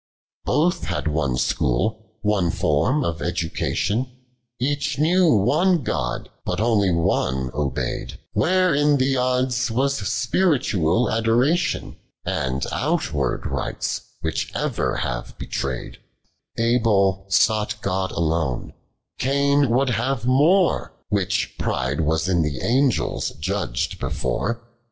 82. Both had one school, one form of education, Each knew one God, but onclv One obeyM, ^Vlicre in tlie odds was spiritual adoration, And outwartl rites, w^hich ever haye betray'd ;• Abel sought God alone, Cain would have more, Which pride was in tlie angels judgM before.